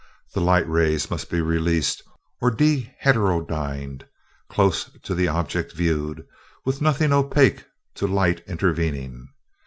The light rays must be released, or deheterodyned, close to the object viewed, with nothing opaque to light intervening.